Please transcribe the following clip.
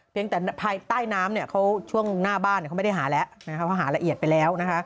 เพียงแต่ภายใต้น้ำเขาช่วงหน้าบ้านเขาไม่ได้หาแล้วเพราะหาระเอียดไปแล้ว